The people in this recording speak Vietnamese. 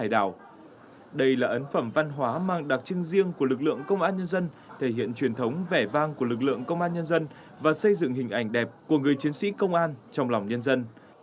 đây là ấn phẩm văn hóa mang đặc trưng riêng của lực lượng công an nhân dân thể hiện truyền thống vẻ vang của lực lượng công an nhân dân và xây dựng hình ảnh đẹp của người chiến sĩ công an trong lòng nhân dân